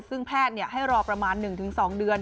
ซึ่งแพทย์ให้รอประมาณ๑๒เดือน